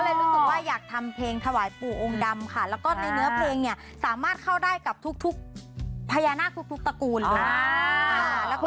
รู้สึกว่าอยากทำเพลงถวายปู่องค์ดำค่ะแล้วก็ในเนื้อเพลงเนี่ยสามารถเข้าได้กับทุกพญานาคทุกตระกูลเลย